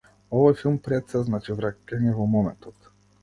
Овој филм, пред сѐ, значи враќање во моментот.